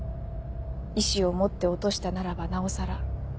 意志を持って落としたならばなおさら。